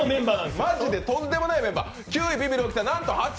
マジでとんでもないメンバー。